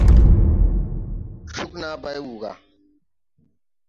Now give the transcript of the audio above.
Cúg naa bay wùu gà.